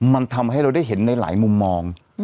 มันทำให้เราได้เห็นในหลายมุมมอง